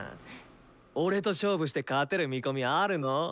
俺と勝負して勝てる見込みあるの？